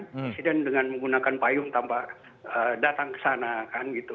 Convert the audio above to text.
presiden dengan menggunakan payung tanpa datang kesana kan gitu